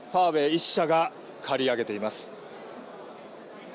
１社が借り上げています。